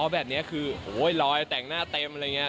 แบบนี้คือรอยแต่งหน้าเต็มอะไรอย่างนี้